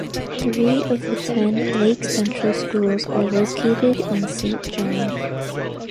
Three of the ten Lake Central schools are located in Saint John.